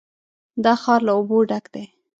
دا ښار له اوبو ډک دی.